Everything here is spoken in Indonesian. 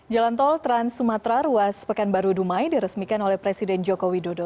jalan tol trans sumatra ruas pekanbaru dumai diresmikan oleh presiden joko widodo